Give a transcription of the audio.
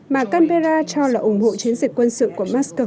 mà canberra cho là ủng hộ chiến dịch quân sự của moscow